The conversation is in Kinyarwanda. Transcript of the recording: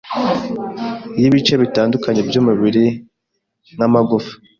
y’ibice bitandukanye by’umubiri nk’amagufa,